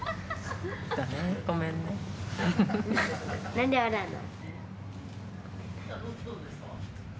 何で笑うの？